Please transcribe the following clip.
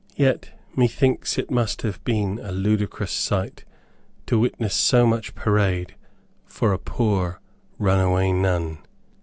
Yet, methinks it must have been a ludicrous sight to witness so much parade for a poor run a way nun.